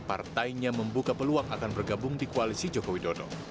partainya membuka peluang akan bergabung di koalisi jokowi dodo